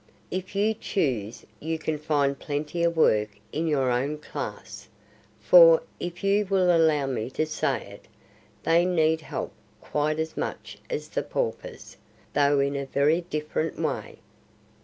"If you choose you can find plenty of work in your own class; for, if you will allow me to say it, they need help quite as much as the paupers, though in a very different way."